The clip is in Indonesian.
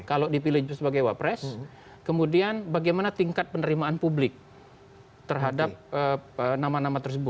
kalau dipilih sebagai wapres kemudian bagaimana tingkat penerimaan publik terhadap nama nama tersebut